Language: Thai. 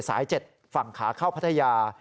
สาย๗ฝั่งขาเข้าพัทยา